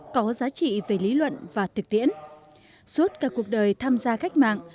có giá trị về lý luận và thực tiễn suốt cả cuộc đời tham gia cách mạng